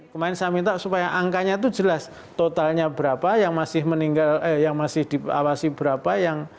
kemarin saya minta supaya angkanya itu jelas totalnya berapa yang masih diawasi berapa